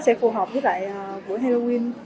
nó sẽ phù hợp với lại buổi halloween